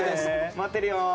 待ってるよ。